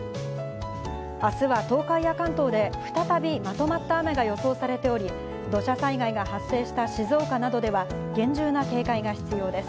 あすは東海や関東で、再びまとまった雨が予想されており、土砂災害が発生した静岡などでは、厳重な警戒が必要です。